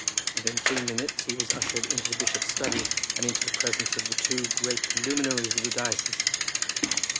Within three minutes he was ushered into the bishop's study, and into the presence of the two great luminaries of the diocese.